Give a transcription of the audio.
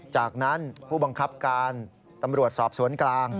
จากนั้นผู้บังคับการตำรวจสอบสวนกลาง